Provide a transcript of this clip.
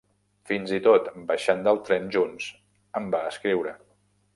Fins i tot baixant del tren junts em va escriure.